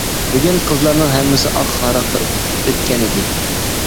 بۈگۈن قىزلارنىڭ ھەممىسى ئاق ھاراققا ئۆتكەنىدى.